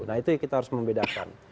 nah itu yang kita harus membedakan